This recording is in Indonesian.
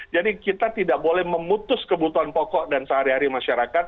jadi kita tidak boleh memutus kebutuhan pokok dan sehari hari masyarakat